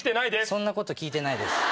そんなこと聞いてないです。